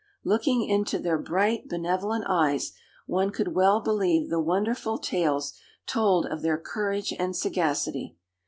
Looking into their bright, benevolent eyes, one could well believe the wonderful tales told of their courage and sagacity.